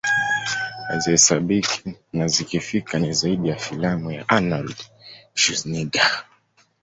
hazihesabiki na zikifika ni zaidi ya filamu ya Arnold Schwarzenegger